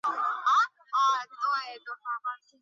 南坛县是越南革命家潘佩珠和胡志明的故乡。